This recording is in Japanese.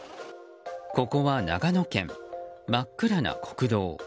ここは長野県、真っ暗な国道。